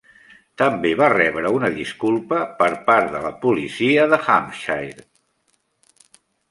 També va rebre una disculpa per part de la policia de Hampshire.